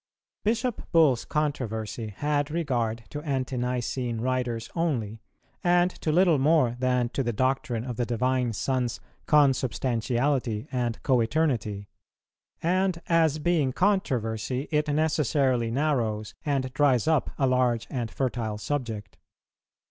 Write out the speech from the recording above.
Bishop Bull's controversy had regard to Ante nicene writers only, and to little more than to the doctrine of the Divine Son's consubstantiality and co eternity; and, as being controversy, it necessarily narrows and dries up a large and fertile subject.